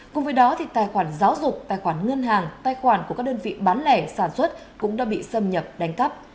cùng với đó tài khoản giáo dục tài khoản ngân hàng tài khoản của các đơn vị bán lẻ sản xuất cũng đã bị xâm nhập đánh cắp